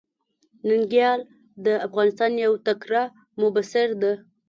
ننګيال د افغانستان يو تکړه مبصر ده.